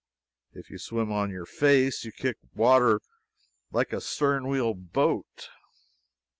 If you swim on your face, you kick up the water like a stern wheel boat.